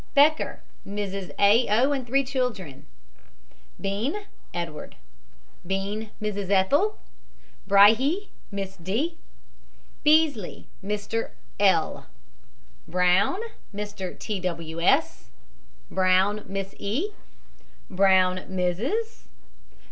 BECKER, MRS. A. O., and three children BEANE, EDWARD. BEANE, MRS. ETHEL, BRYHI, MISS D. BEESLEY, MR. L. BROWN, MR. T. W. S. BROWN, MISS E. BROWN, MRS.